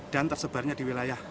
dan tersebarnya di wilayah